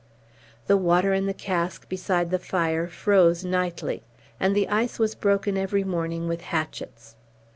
The water in the cask beside the fire froze nightly, and the ice was broken every morning with hatchets.